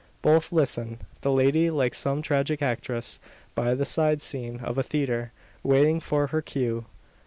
Both listen; the lady like some tragic actress, by the side scene of a theatre, waiting for her cue.